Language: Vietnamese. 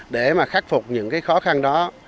để khắc phục những khó khăn đó